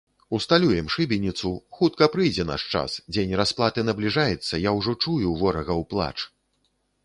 Усталюем шыбеніцу, хутка прыйдзе наш час, дзень расплаты набліжаецца, я ўжо чую ворагаў плач.